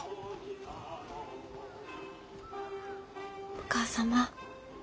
お義母様。